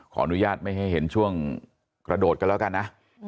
ขออนุญาตไม่ให้เห็นช่วงกระโดดกันแล้วกันนะ